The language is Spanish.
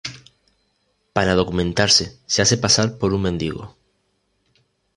Para documentarse, se hace pasar por un mendigo.